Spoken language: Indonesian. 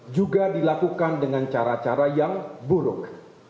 juga dilakukan dengan cara cara yang buruk